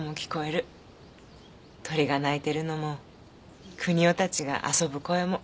鳥が鳴いてるのも邦夫たちが遊ぶ声も。